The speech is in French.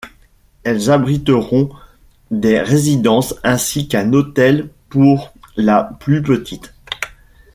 Elles abriteront des résidences ainsi qu'un hôtel pour la plus petite.